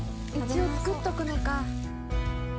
一応作っとくのか。